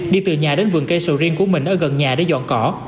đi từ nhà đến vườn cây sầu riêng của mình ở gần nhà để dọn cỏ